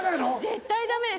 絶対ダメですよ。